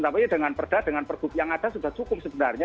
tapi dengan perda dengan pergub yang ada sudah cukup sebenarnya